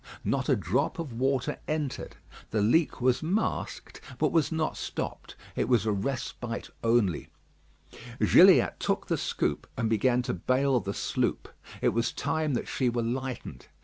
Not a drop of water entered. The leak was masked, but was not stopped. It was a respite only. Gilliatt took the scoop and began to bale the sloop. It was time that she were lightened.